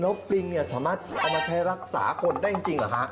แล้วปริงเนี่ยสามารถเอามาใช้รักษาคนได้จริงเหรอฮะ